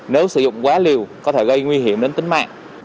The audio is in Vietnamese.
nếu sử dụng quá liều có thể gây nguy hiểm đến tính mạng